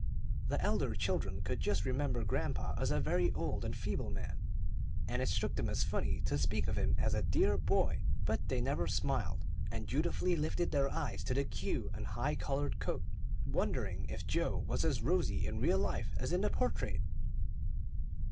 The elder children could just remember grandpa as a very old and feeble man, and it struck them as funny to speak of him as a "dear boy;" but they never smiled, and dutifully lifted their eyes to the queue and the high collared coat, wondering if Joe was as rosy in real life as in the portrait.